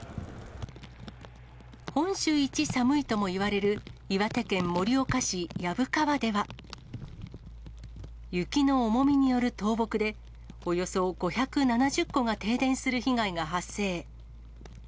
本州一寒いともいわれる、岩手県盛岡市薮川では、雪の重みによる倒木で、およそ５７０戸が停電する被害が発生。